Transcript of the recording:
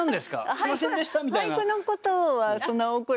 「すみませんでした」みたいな。